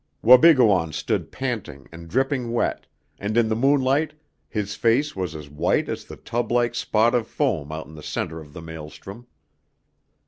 Wabigoon stood panting and dripping wet, and in the moonlight his face was as white as the tub like spot of foam out in the center of the maelstrom.